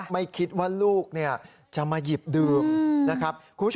ไม่คิดว่าลูกจะมาหยิบดื่มนะครับ